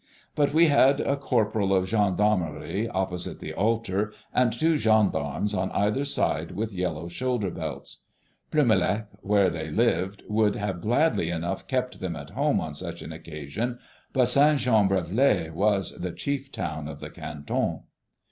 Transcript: But we had a corporal of gendarmery opposite the altar and two gendarmes on either side with yellow shoulder belts. Plumelec, where they lived, would have gladly enough kept them at home on such an occasion, but St. Jean Brévelay was the chief town of the canton.